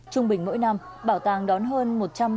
trung bình mỗi năm bảo tàng đón hơn